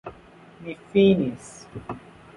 Mi finis.